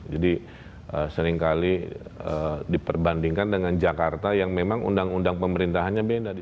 jadi seringkali diperbandingkan dengan jakarta yang memang undang undang pemerintahnya beda